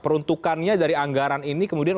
peruntukannya dari anggaran ini kemudian